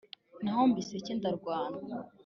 Naho Miseke ndarwana.